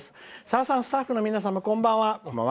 「さださん、スタッフの皆さんこんばんは。